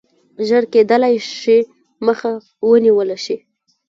ژر کېدلای شي مخه ونیوله شي.